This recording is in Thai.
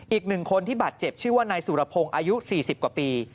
อีกหนึ่งคนที่บาดเจ็บชื่อว่านายสุรพงศ์อายุ๔๐กว่าปี